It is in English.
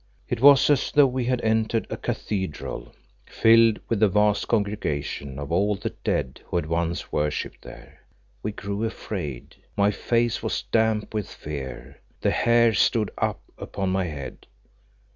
It was as though we had entered a cathedral filled with the vast congregation of all the dead who once had worshipped there. We grew afraid my face was damp with fear, the hair stood up upon my head.